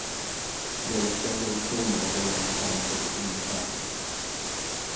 There were several sawmills along Pine Creek in the township.